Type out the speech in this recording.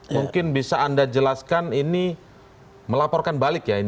mungkin bisa anda jelaskan ini melaporkan balik ya